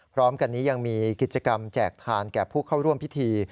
พร้อมกันนี้ยังมีกิจกรรมแจกทานแก่ผู้เข้าร่วมพิธี